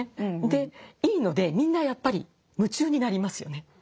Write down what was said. でいいのでみんなやっぱり夢中になりますよね。